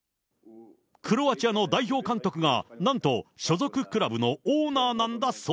クロアチアの代表監督が、なんと所属クラブのオーナーなんだそう。